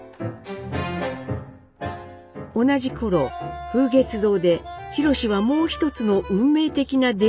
同じ頃風月堂で宏はもう一つの運命的な出会いをします。